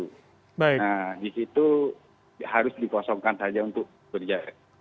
nah di situ harus diposongkan saja untuk kerja